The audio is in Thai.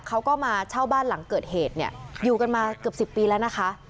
เขาก็มาเช่าบ้านหลังเกิดเหตุเนี่ยอยู่กันมาเกือบ๑๐ปีแล้วนะคะ